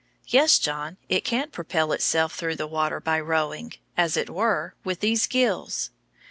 Yes, John, it can propel itself through the water by rowing, as it were, with these gills.